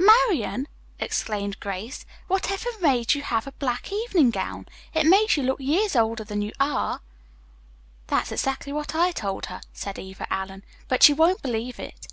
"Marian!" exclaimed Grace. "What ever made you have a black evening gown? It makes you look years older than you are." "That's exactly what I told her," said Eva Allen, "but she won't believe it."